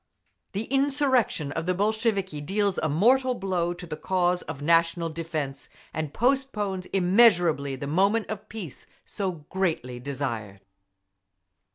The insurrection of the Bolsheviki deals a mortal blow to the cause of national defence, and postpones immeasurably the moment of peace so greatly desired.